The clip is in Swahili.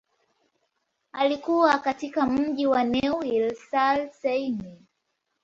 Alikua katika mji wa Neuilly-sur-Seine.